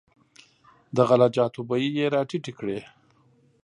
د غله جاتو بیې یې راټیټې کړې.